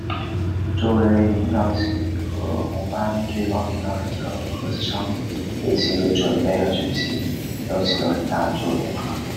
作为领导起义和红八军最高领导人的何世昌对起义的准备和举行都起了很大的作用。